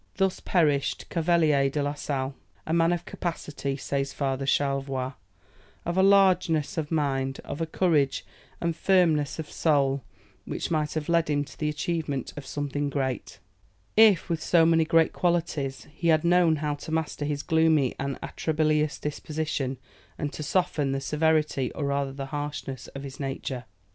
Thus perished Cavelier de la Sale, "a man of a capacity," says Father Charlevoix, "of a largeness of mind, of a courage and firmness of soul, which might have led him to the achievement of something great, if with so many great qualities, he had known how to master his gloomy and atrabilious disposition, and to soften the severity or rather the harshness of his nature...."